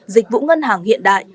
dịch vụ ngân hàng hiện đại